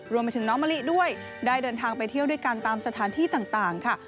รวมไปถึงน้องมะลิด้วยได้เดินทางไปเที่ยวด้วยกันตามสถานที่ต่างค่ะ